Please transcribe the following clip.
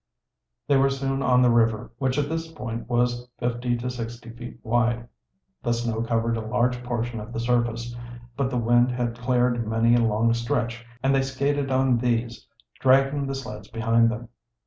They were soon on the river, which at this point was fifty to sixty feet wide. The snow covered a large portion of the surface, but the wind had cleared many a long stretch, and they skated on these, dragging the sleds behind them.